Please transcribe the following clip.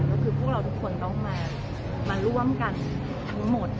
ก็คือพวกเราทุกคนต้องมาร่วมกันทั้งหมด